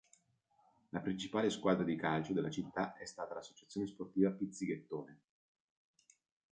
La principale squadra di calcio della città è stata l"'Associazione Sportiva Pizzighettone".